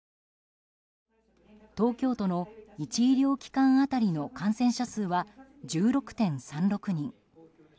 東京都の１医療機関当たりの感染者数は１６．３６人。